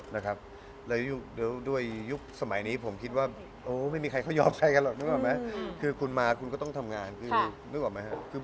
แล้วด้วยยุคสมัยนี้ผมคิดว่าเอ้าไม่มีใครเขาหยอมใคร